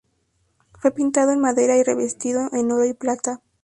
Fue pintado en madera y revestido con oro y plata.